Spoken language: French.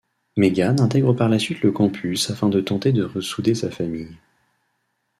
Megan intègre par la suite le campus afin de tenter de ressouder sa famille…